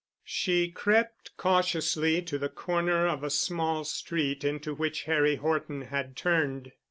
She crept cautiously to the corner of a small street into which Harry Horton had turned.